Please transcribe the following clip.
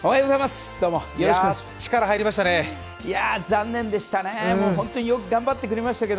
力、入りましたね。